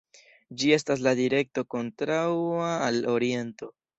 Ĝi estas la direkto kontraŭa al oriento.